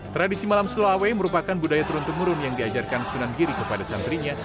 tradisi malam sloawei merupakan budaya turun temurun yang diajarkan sunan giri kepada santrinya